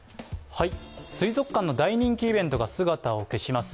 水族館の大人気イベントが姿を消します。